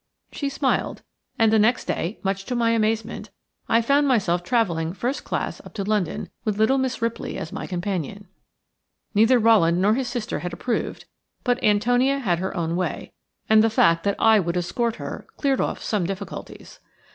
She smiled; and the next day, much to my own amazement, I found myself travelling first class up to London, with little Miss Ripley as my companion. Neither Rowland nor his sister had approved; but Antonia had her own way, and the fact that I would escort her cleared off some difficulties.